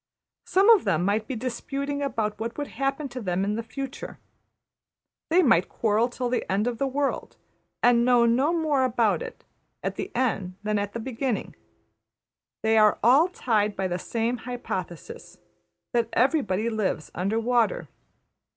Some of them might be disputing about what would happen to them in the future. They might quarrel till the end of the world, and know no more about it at the end than at the beginning. They are all tied by the same hypothesis: that everybody lives under water.